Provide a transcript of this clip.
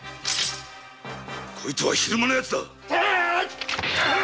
こいつは昼間の奴だ！